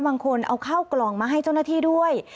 บางคนเอาข้าวกล่องมาให้เจ้าหน้าที่ด้วย